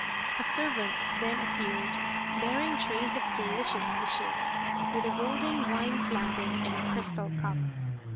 A servant then appeared bearing trays of delicious dishes, with a golden wine flagon and a crystal cup.